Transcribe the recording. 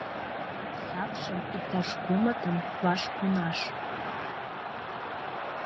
Сапшым иктаж кумытым ваш пунаш.